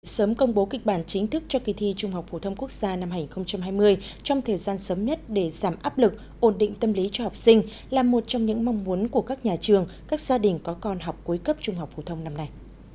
sớm công bố kịch bản chính thức cho kỳ thi trung học phổ thông quốc gia năm hai nghìn hai mươi trong thời gian sớm nhất để giảm áp lực ổn định tâm lý cho học sinh là một trong những mong muốn của các nhà trường các gia đình có con học cuối cấp trung học phổ thông năm nay